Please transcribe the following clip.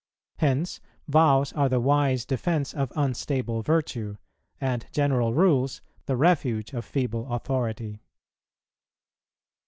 Hence vows are the wise defence of unstable virtue, and general rules the refuge of feeble authority.